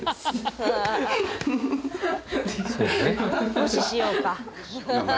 無視しようか。